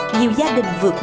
nhiều gia đình vượt lên